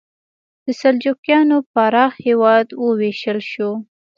د سلجوقیانو پراخ هېواد وویشل شو.